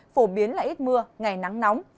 phổ biến là ít mưa ngày nắng nóng